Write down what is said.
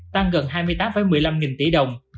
tăng gần hai mươi tám một mươi năm nghìn tỷ đồng